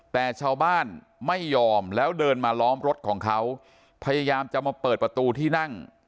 แต่ชาวบ้านไม่ยอมแล้วเดินมาล้อมรถของเขาพยายามจะมาเปิดประตูที่นั่ง